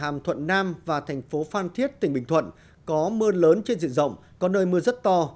hàm thuận nam và thành phố phan thiết tỉnh bình thuận có mưa lớn trên diện rộng có nơi mưa rất to